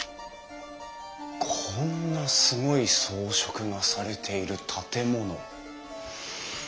こんなすごい装飾がされている建物。